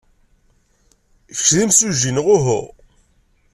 Kečč d imsujji neɣ uhu?